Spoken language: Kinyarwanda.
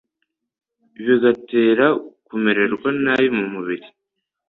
bigatera kumererwa nabi mu mubiri,